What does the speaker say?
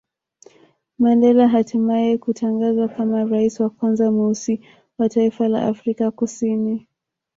Mandela hatimae kutangazwa kama rais wa kwanza mweusi wa taifa la Afrika Kusini